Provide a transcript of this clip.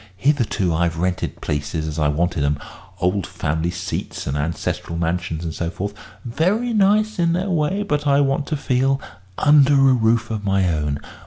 Hitherto I've rented places as I wanted 'em old family seats and ancestral mansions and so forth: very nice in their way, but I want to feel under a roof of my own.